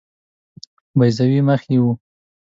بیضوي مخ یې وو.